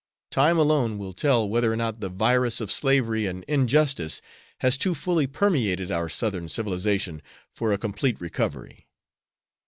Time alone will tell whether or not the virus of slavery and injustice has too fully permeated our Southern civilization for a complete recovery.